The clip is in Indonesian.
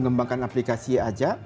mengembangkan aplikasi saja